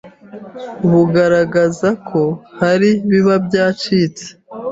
bugaragaza ko hari biba byacitse